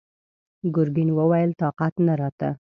ګرګين وويل: طاقت نه راته!